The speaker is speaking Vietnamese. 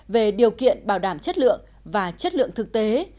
về điều kiện bảo đảm chất lượng và chất lượng thực tế